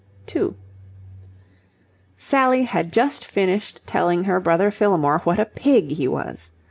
2 Sally had just finished telling her brother Fillmore what a pig he was.